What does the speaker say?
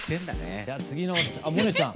じゃあ次のあっ萌音ちゃん。